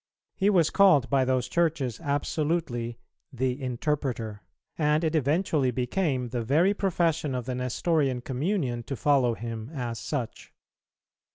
He was called by those Churches absolutely "the Interpreter," and it eventually became the very profession of the Nestorian communion to follow him as such.